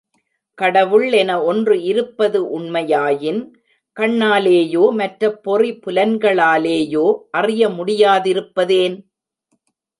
கடவுள் என ஒன்று இருப்பது உண்மையாயின், கண்ணாலேயோ மற்ற பொறி புலன்களாலேயோ அறிய முடியா திருப்பதேன்?